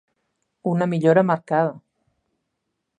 Una millora marcada.